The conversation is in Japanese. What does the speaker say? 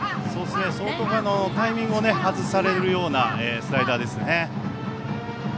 相当、タイミングを外されるようなスライダーですね。